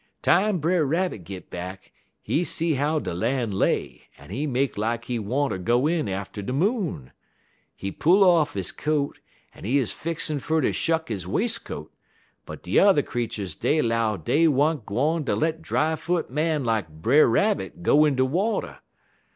"Time Brer Rabbit git back, he see how de lan' lay, en he make lak he wanter go in atter de Moon. He pull off he coat, en he 'uz fixin' fer ter shuck he wescut, but de yuther creeturs dey 'low dey wa'n't gwine ter let dryfoot man lak Brer Rabbit go in de water.